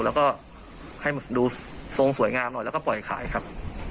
แล้วก็ให้ดูทรงสวยงามหน่อยแล้วก็ปล่อยขายครับ